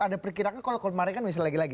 ada perkiranya kalau kalau mereka misalnya lagi lagi